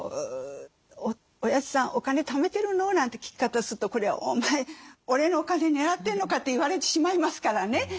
「おやじさんお金ためてるの？」なんて聞き方するとこれは「お前俺のお金狙ってんのか」って言われてしまいますからね。